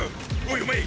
おい！